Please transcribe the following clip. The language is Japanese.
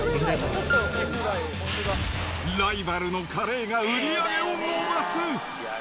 ライバルのカレーが売り上げを伸ばす。